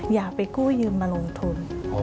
อย่าไปกู้ยืมมาลงทุน